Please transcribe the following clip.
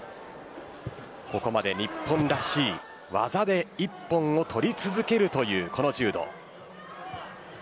ここまで日本らしい、技で一本を取り続けるというこの柔道。